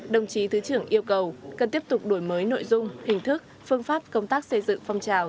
đồng chí thứ trưởng yêu cầu cần tiếp tục đổi mới nội dung hình thức phương pháp công tác xây dựng phong trào